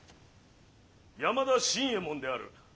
山田新右衛門である。